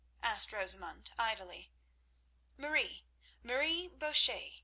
asked Rosamund idly. "Marie—Marie Bouchet.